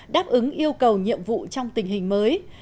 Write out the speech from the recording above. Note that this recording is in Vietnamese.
đáp ứng yêu cầu nhiệm vụ trong tình hình mới